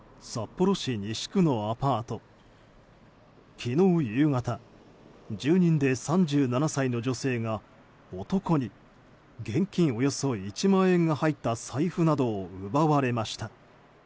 昨日夕方、住人で３７歳の女性が男に現金およそ１万円が入った財布などを奪われました。